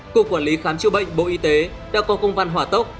cục quản lý khám chữa bệnh bộ y tế đã có công văn hỏa tốc